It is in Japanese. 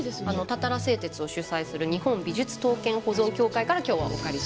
たたら製鉄を主催する日本美術刀剣保存協会から今日はお借りしてきました。